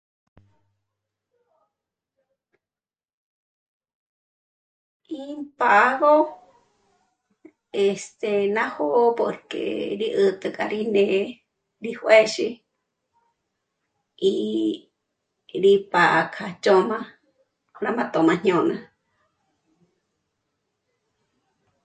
ím pá'agö este... ná j'o'o porque... rí 'ä̀t'ä k'a rí né'e rí juë́zhi y... rí pá'a k'a chjǒm'a rá m'ájtömájñôna